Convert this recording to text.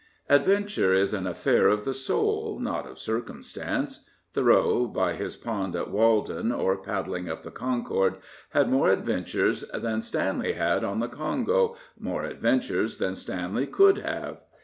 Adventure is an affair of the soul, not of circum stance. Thoreau, by his pond at Walden, or paddling up the Concord, had more adventures than Stanley had on the Congo, more adventures than Stanley could have.